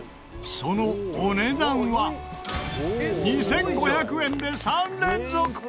そのお値段は２５００円で３連続プラス。